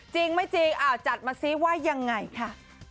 จริงไม่จริงจัดมาซิว่ายังไงค่ะ